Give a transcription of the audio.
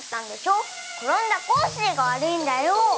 ころんだコッシーがわるいんだよ。